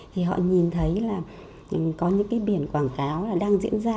thì họ nhìn thấy là có những biển quảng cáo đang diễn ra